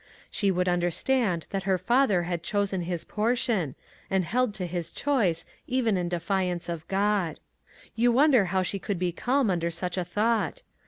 She would understand that her father had chosen his portion, and held to his choice, even in defiance of G od. You wonder how she could be calm under such a thought.